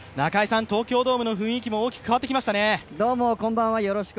東京ドームの雰囲気も大きく変わってきましたね。